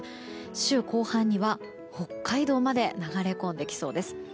週後半には北海道まで流れ込んできそうです。